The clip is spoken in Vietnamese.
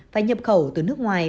phải nhập khẩu từ nước ngoài